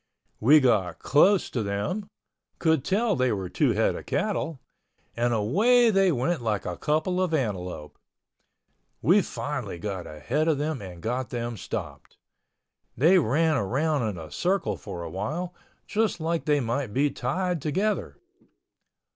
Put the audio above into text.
We got close to them—could tell they were two head of cattle—and away they went like a couple of antelope. We finally got ahead of them and got them stopped. They ran around in a circle for awhile, just like they might be tied together.